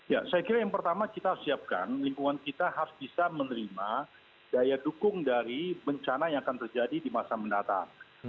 ya saya kira yang pertama kita harus siapkan lingkungan kita harus bisa menerima daya dukung dari bencana yang akan terjadi di masa mendatang